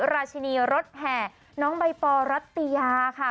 ราชินีรถแห่น้องใบปอรัตยาค่ะ